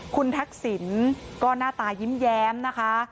คุณทักษิณก็หน้าตายิ้มแย้มนะคะ